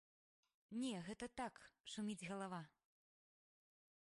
Не, гэта так, шуміць галава.